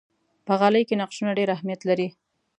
په غالۍ کې نقشونه ډېر اهمیت لري.